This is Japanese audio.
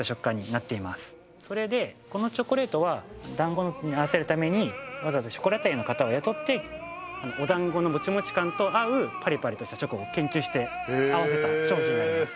それでこのチョコレートは団子に合わせるためにわざわざショコラティエの方を雇ってお団子のモチモチ感と合うパリパリとしたチョコを研究して合わせた商品になります